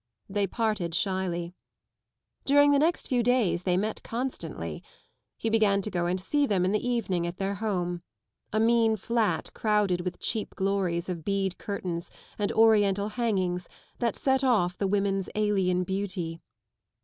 They parted shyly. During the next few days they met constantly. He began to go and see them in the evening at their home ŌĆö a mean flat crowded with cheap glories of bead curtains and Oriental hangings that set off the women's alien beauty.